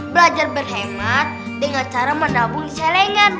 belajar berhemat dengan cara mendabung selengan